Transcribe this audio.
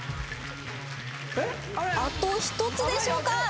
あと１つでしょうか